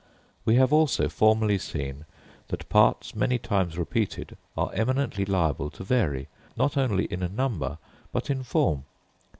We have also formerly seen that parts many times repeated are eminently liable to vary, not only in number, but in form.